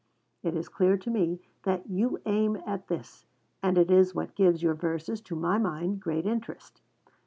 It is clear to me that you aim at this, and it is what gives your verses, to my mind, great interest.